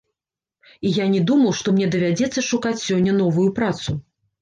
І я не думаў, што мне давядзецца шукаць сёння новую працу.